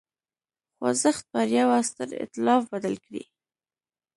خوځښت پر یوه ستر اېتلاف بدل کړي.